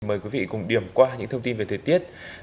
mời quý vị cùng điểm qua những thông tin về thời tiết